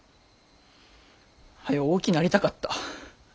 はよ大きなりたかった。